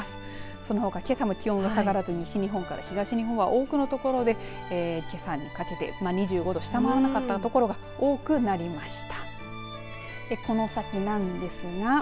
そのほかけさも気温が下がらず西日本から東日本は多くのところでけさにかけて２５度を下回らなかったところが多くなりました。